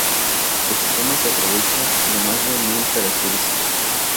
El sistema se aprovecha de más de mil características.